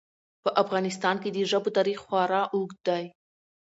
په افغانستان کې د ژبو تاریخ خورا اوږد دی.